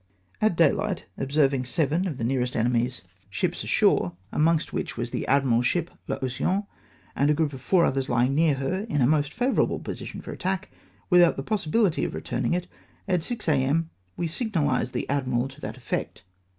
At dayhght observing seven of the nearest enemy's 382 APATHY OP LOKD GAMBIER. ships ashore, amongst Avhich was the admiral's ship L Ocean, and a group of four others lying near her, in a most favom able position for attack, without the possibihty of returning it, at 6 A.M. we signalised the admiral to that effect.